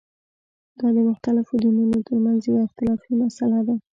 دا د مختلفو دینونو ترمنځه یوه اختلافي مسله ده.